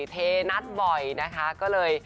เทนัดบ่อยนะคะก็เลย